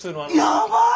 やばい！